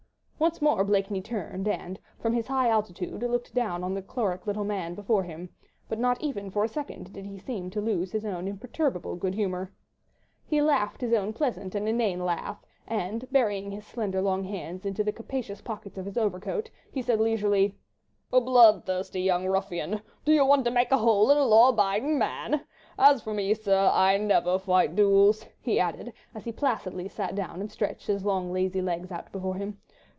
Once more Blakeney turned, and from his high altitude looked down on the choleric little man before him; but not even for a second did he seem to lose his own imperturbable good humour. He laughed his own pleasant and inane laugh, and burying his slender, long hands into the capacious pockets of his overcoat, he said leisurely— "A duel? La! is that what he meant? Odd's fish! you are a bloodthirsty young ruffian. Do you want to make a hole in a law abiding man? ... As for me, sir, I never fight duels," he added, as he placidly sat down and stretched his long, lazy legs out before him.